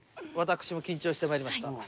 私も緊張してまいりました。